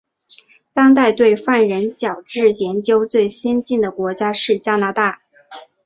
当代对犯人矫治研究最先进的国家是加拿大。